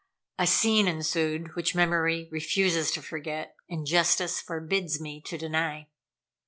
A scene ensued which memory refuses to forget, and justice forbids me to deny.